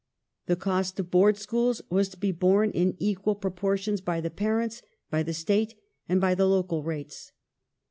The cost of Board schools was to be borne in equal proportions by the parents, by the State, and by the local rates.